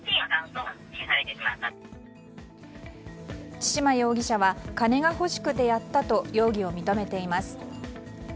千島容疑者は金が欲しくてやったと容疑を認めています。